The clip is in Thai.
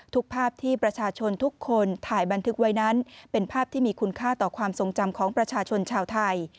ภาพที่ประชาชนทุกคนถ่ายบันทึกไว้นั้นเป็นภาพที่มีคุณค่าต่อความทรงจำของประชาชนชาวไทย